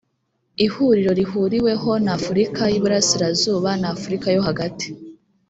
ihuriro rihuriweho n’afurika y’ i burasirazuba n’afurika yo hagati